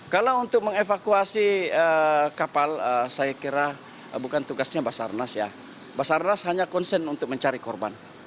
kalau untuk mengevakuasi kapal saya kira bukan tugasnya basarnas ya basarnas hanya concern untuk mencari korban